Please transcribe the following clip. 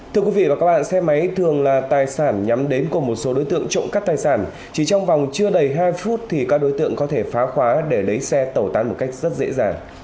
thủ đoạn này thường là tài sản nhắm đến của một số đối tượng trộm các tài sản chỉ trong vòng chưa đầy hai phút thì các đối tượng có thể phá khóa để lấy xe tẩu tan một cách rất dễ dàng